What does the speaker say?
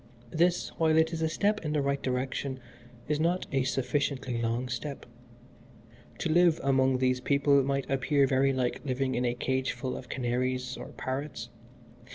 This, while it is a step in the right direction, is not a sufficiently long step. To live among these people might appear very like living in a cageful of canaries or parrots.